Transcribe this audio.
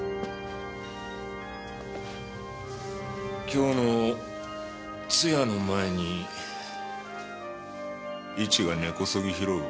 今日の通夜の前にイチが根こそぎ拾う。